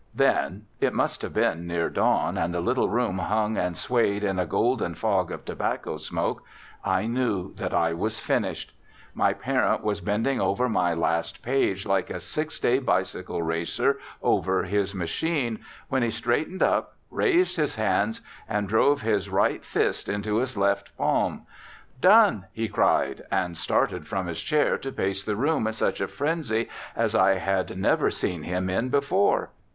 Then, it must have been near dawn and the little room hung and swayed in a golden fog of tobacco smoke, I knew that I was finished. My parent was bending over my last page like a six day bicycle racer over his machine, when he straightened up, raising his hands, and drove his right fist into his left palm. "Done!" he cried, and started from his chair to pace the room in such a frenzy as I had never seen him in before.